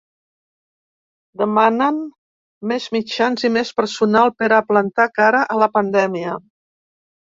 Demanen més mitjans i més personal per a plantar cara a la pandèmia.